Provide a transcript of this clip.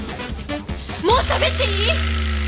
もうしゃべっていい？